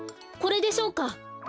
これでしょうか？